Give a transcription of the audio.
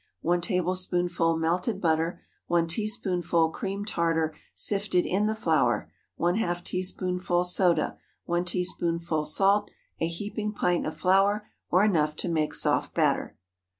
1 tablespoonful melted butter. 1 teaspoonful cream tartar sifted in the flour. ½ teaspoonful soda. 1 teaspoonful salt. A heaping pint of flour, or enough to make soft batter.